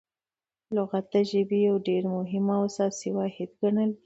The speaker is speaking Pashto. لغت د ژبي یو ډېر مهم او اساسي واحد ګڼل کیږي.